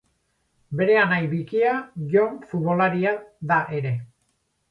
Bere anai bikia Jon futbolaria da ere.